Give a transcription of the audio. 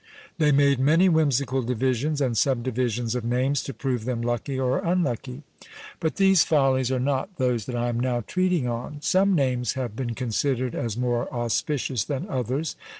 They made many whimsical divisions and subdivisions of names, to prove them lucky or unlucky. But these follies are not those that I am now treating on. Some names have been considered as more auspicious than others.